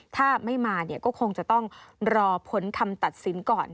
ถ้าไม่มาก็คงจะต้องรอผลคำตัดสินก่อน